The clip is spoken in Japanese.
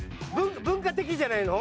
文化的じゃないの？